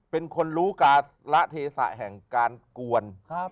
เป็นคนรู้การละเทศะแห่งการกวน